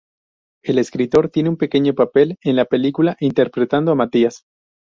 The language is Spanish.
El escritor tiene un pequeño papel en la película interpretando a Matías.